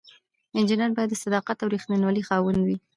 انجینر باید د صداقت او ریښتینولی خاوند وي.